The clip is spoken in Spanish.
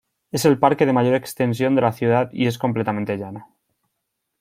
Es el parque de mayor extensión de la ciudad y es completamente llano.